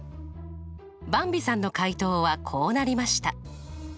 ばんびさんの解答はこうなりました。